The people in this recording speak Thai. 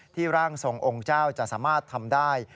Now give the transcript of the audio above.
ร่างทรงองค์เจ้าจะสามารถทำได้